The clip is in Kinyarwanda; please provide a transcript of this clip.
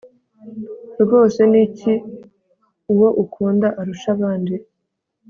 rwose ni iki uwo ukunda arusha abandi